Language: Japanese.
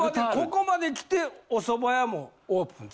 ここまできておそば屋もオープン。